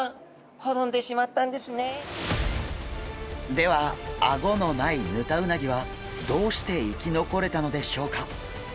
ではアゴのないヌタウナギはどうして生き残れたのでしょうか？